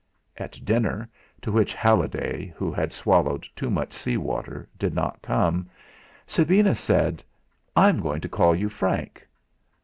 At dinner, to which Halliday, who had swallowed too much sea water, did not come, Sabina said: "I'm going to call you Frank."